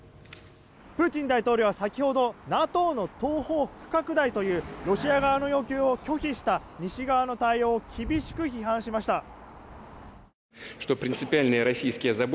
プーチン大統領は先ほどＮＡＴＯの東方不拡大というロシア側の要求を拒否した西側の対応を厳しく批判しました。